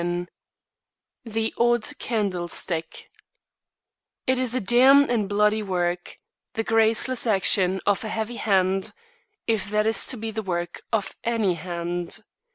IV THE ODD CANDLESTICK It is a damned and a bloody work; The graceless action of a heavy hand, If that it be the work of any hand.